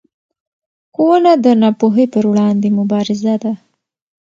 ښوونه د ناپوهۍ پر وړاندې مبارزه ده